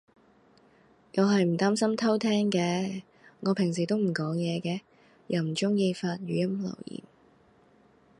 我係唔擔心偷聼嘅，我平時都唔講嘢嘅。又唔中意發語音留言